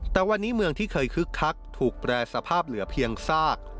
แต่วันนี้เมืองที่เคยคึกคักถูกแปรสภาพเหลือเพียงซาก